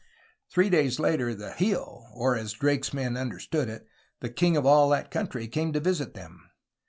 Three days later the "Hi6h/' or, as Drake's men under stood it, the king of all that country, came to visit them.